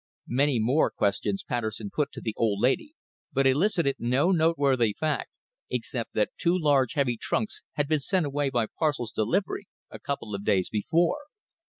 Many more questions Patterson put to the old lady, but elicited no noteworthy fact, except that two large, heavy trunks had been sent away by Parcels Delivery a couple of days before.